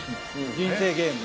人生ゲーム。